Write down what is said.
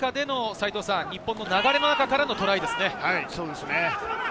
代わった中での日本の流れの中からのトライですね。